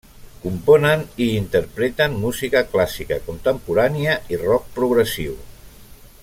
Componen i interpreten música clàssica contemporània i rock progressiu.